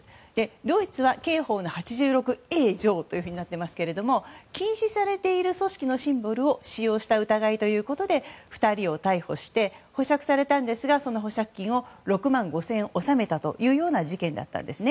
ドイツは刑法の８６ａ条となっていますが禁止されている組織のシンボルを使用した疑いということで２人を逮捕して保釈されましたが保釈金６万５０００円を納めた事件でした。